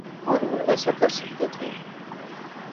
اور وہ ایسا کر سکتے تھے۔